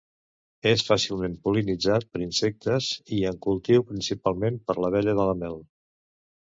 És fàcilment pol·linitzat per insectes i en cultiu principalment per l'abella de la mel.